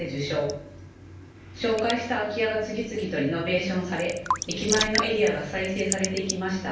紹介した空き家が次々とリノベーションされ駅前のエリアが再生されていきました。